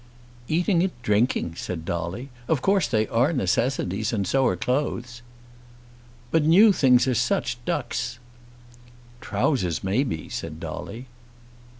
"Eating and drinking!" said Dolly. "Of course they are necessities; and so are clothes." "But new things are such ducks!" "Trowsers may be," said Dolly.